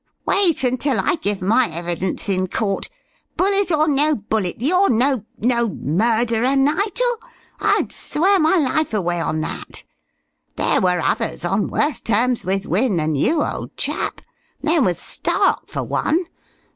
Wait until I give my evidence in court. Bullet or no bullet, you're no no murderer, Nigel; I'd swear my life away on that. There were others on worse terms with Wynne than you, old chap. There was Stark, for one.